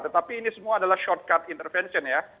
tetapi ini semua adalah shortcut intervention ya